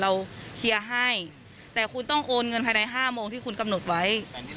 เคลียร์ให้แต่คุณต้องโอนเงินภายใน๕โมงที่คุณกำหนดไว้